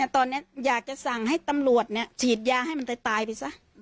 ตอนนี้อยากจะสั่งให้ตำรวจฉีดยาให้มันตายไปซะ